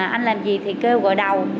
anh làm gì thì kêu gọi đầu